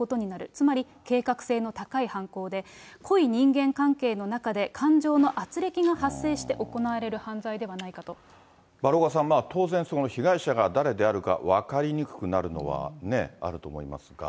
つまり、計画性の高い犯行で、濃い人間関係の中で感情のあつれきが発生して行われる犯罪ではな丸岡さん、当然、被害者が誰であるか分かりにくくなるのはあると思いますが。